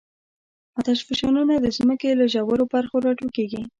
آتشفشانونه د ځمکې له ژورو برخو راټوکېږي.